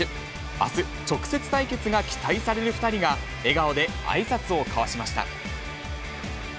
あす、直接対決が期待される２人が、笑顔であいさつを交わしました。